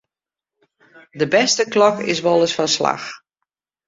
De bêste klok is wolris fan 'e slach.